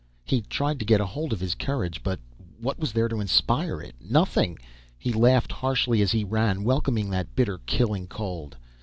He tried to get hold of his courage. But what was there to inspire it? Nothing! He laughed harshly as he ran, welcoming that bitter, killing cold.